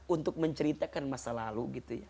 untuk menceritakan masa lalu